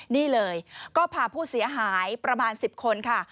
นี่เลยก็พาผู้เสียหายประมาณ๑๐คนค่ะ